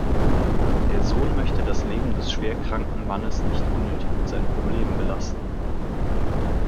Der Sohn möchte das Leben des schwerkranken Mannes nicht unnötig mit seinen Problemen belasten.